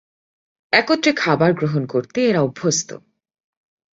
একত্রে খাবার গ্রহণ করতে এরা অভ্যস্ত।